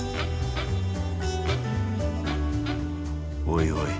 おいおい。